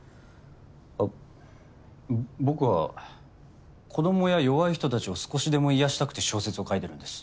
あっ僕は子供や弱い人たちを少しでも癒やしたくて小説を書いてるんです。